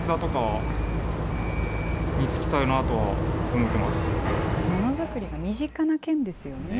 ものづくりが身近な県ですよね。